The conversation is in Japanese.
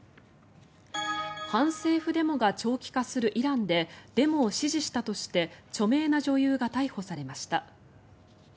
反政府デモが長期化するイランでデモを支持したとして著名な女優が逮捕されました。